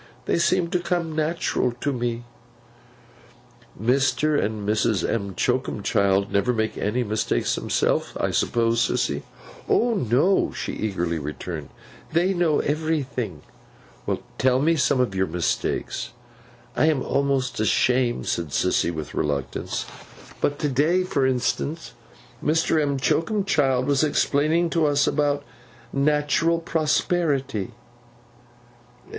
They seem to come natural to me.' 'Mr. and Mrs. M'Choakumchild never make any mistakes themselves, I suppose, Sissy?' 'O no!' she eagerly returned. 'They know everything.' 'Tell me some of your mistakes.' 'I am almost ashamed,' said Sissy, with reluctance. 'But to day, for instance, Mr. M'Choakumchild was explaining to us about Natural Prosperity.